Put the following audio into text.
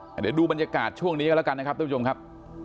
เดี๋ยวดูบรรยากาศช่วงนี้กันแล้วกันนะครับทุกผู้ชมครับ